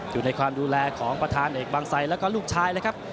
อยู่ในความดูแลของประธานเอกบางไซดแล้วก็ลูกชายเลยครับ